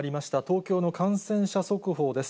東京の感染者速報です。